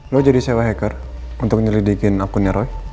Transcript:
lo jadi sewa hacker untuk nyelidikin akunnya roy